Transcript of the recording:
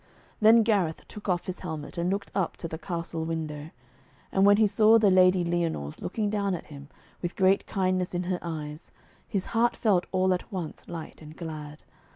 Then Gareth took off his helmet, and looked up to the castle window. And when he saw the Lady Lyonors looking down at him, with great kindness in her eyes, his heart felt all at once light and glad.